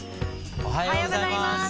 おはようございます。